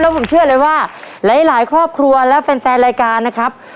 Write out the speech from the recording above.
ผมเชื่อเลยว่าหลายครอบครัวและแฟนรายการนะครับ